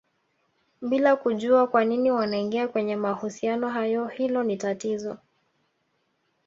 bila kujua kwanini wanaingia kwenye mahusiano hayo hilo ni tatizo